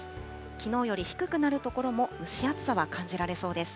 きのうより低くなる所も蒸し暑さは感じられそうです。